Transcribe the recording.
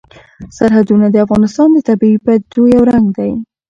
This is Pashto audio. سرحدونه د افغانستان د طبیعي پدیدو یو رنګ دی.